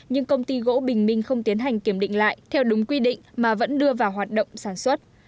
nhưng công ty gỗ bình minh không tiến hành kiểm định lại theo đúng quy định mà vẫn đưa vào hoạt động sản xuất